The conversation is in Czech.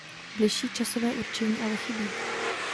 Bližší časové určení ale chybí.